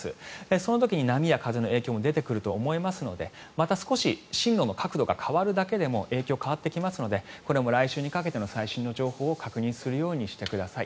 その時に波や風の影響も出てくると思いますのでまた少し進路の角度が変わるだけでも影響が変わってきますのでこれも来週にかけての最新の情報を確認するようにしてください。